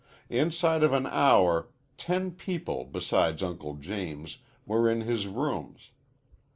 Inside of an hour ten people beside Uncle James were in his rooms.